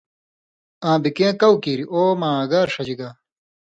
آں بے کیں کؤ کیر او ما اگار ݜژی گا